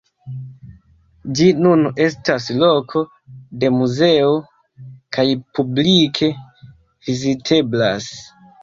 Ĝi nun estas loko de muzeo, kaj publike viziteblas.